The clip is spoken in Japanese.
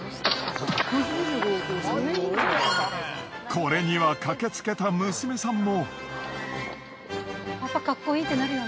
これには駆けつけた娘さんも。